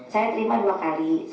saya terima dua kali